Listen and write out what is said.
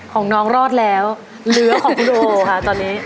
ของน้องรอดแล้วเหลือของคุณโดค่ะตอนนี้